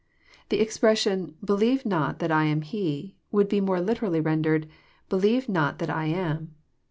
The expression <* believe not that I am He " would be more literally rendered " believe not that I am."